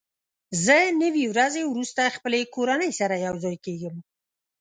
زه نوي ورځې وروسته خپلې کورنۍ سره یوځای کېږم.